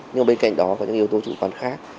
nhưng bên cạnh đó có những yếu tố chủ quan khác